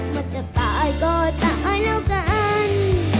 มันจะตายก็ตายแล้วกัน